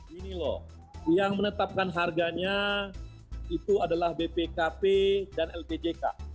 gini loh yang menetapkan harganya itu adalah bpkp dan lpjk